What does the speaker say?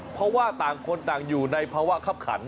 เพราะว่าต่างคนต่างอยู่ในภาวะคับขัน